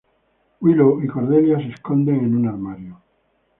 Willow y Cordelia se esconden en un armario.